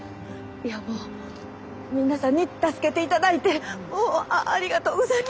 いやもう皆さんに助けていただいてもうありがとうございます。